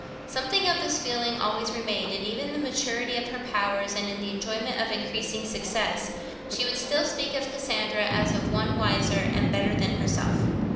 Something of this feeling always remained; and even in the maturity of her powers, and in the enjoyment of increasing success, she would still speak of Cassandra as of one wiser and better than herself.